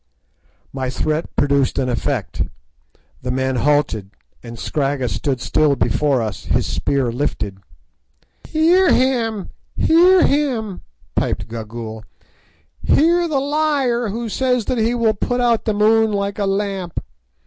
My threat produced an effect; the men halted, and Scragga stood still before us, his spear lifted. "Hear him! hear him!" piped Gagool; "hear the liar who says that he will put out the moon like a lamp.